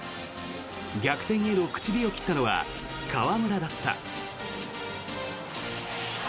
逆転への口火を切ったのは河村だった。